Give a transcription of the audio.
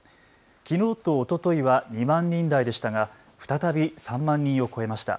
きのうとおとといは２万人台でしたが再び３万人を超えました。